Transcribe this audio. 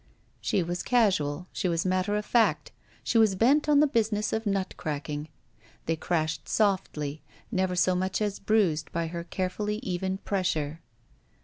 She was casual, she was matter of fact, she was bent on the business of nut cracking. Th^ crashed softly, never so much as bruised by her carefully even jwessure.